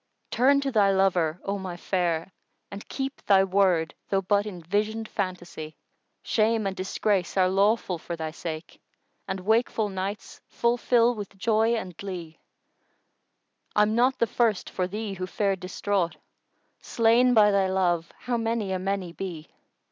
Turn to thy lover, O my fair, and keep * Thy word, though but in visioned phantasy: Shame and disgrace are lawful for thy sake * And wakeful nights full fill with joy and glee: I'm not the first for thee who fared distraught; * Slain by thy love how many a many be!